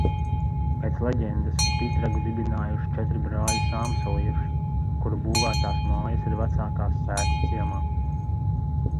Pēc leģendas, Pitragu dibinājuši četri brāļi sāmsalieši, kuru būvētās mājas ir vecākās sētas ciemā.